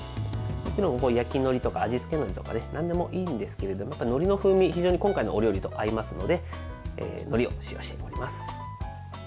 もちろん焼きのりとか味付けのりとかなんでもいいんですけどものりの風味、非常に今回のお料理と合いますのでのりを使用します。